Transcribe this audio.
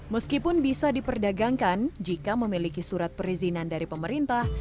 meskipun bisa diperdagangkan jika memiliki surat perizinan dari pemerintah